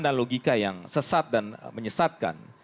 dan logika yang sesat dan menyesatkan